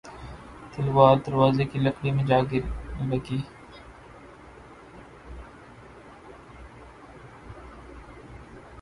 تلوار دروازے کی لکڑی میں جا لگی